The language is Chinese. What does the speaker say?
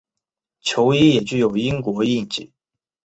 球衣也具有英国印记。